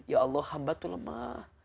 ya allah hamba tuh lemah